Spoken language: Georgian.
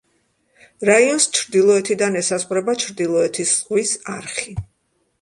რაიონს ჩრდილოეთიდან ესაზღვრება ჩრდილოეთის ზღვის არხი.